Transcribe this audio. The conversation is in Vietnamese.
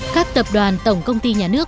các tập đoàn tổng công ty nhà nước